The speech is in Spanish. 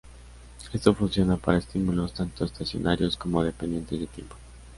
Esto funciona para estímulos tanto estacionarios como dependientes de tiempo.